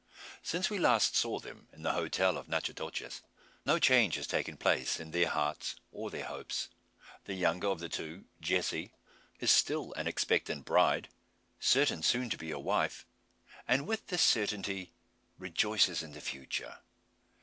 Since we last saw them in the hotel of Natchitoches, no change has taken place in their hearts or their hopes. The younger of the two, Jessie, is still an expectant bride, certain soon to be a wife; and with this certainty rejoices in the future.